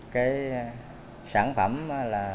cái sản phẩm